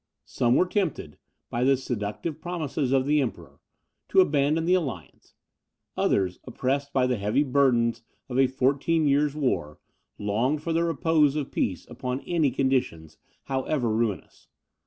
Some were tempted, by the seductive promises of the Emperor, to abandon the alliance; others, oppressed by the heavy burdens of a fourteen years' war, longed for the repose of peace, upon any conditions, however ruinous.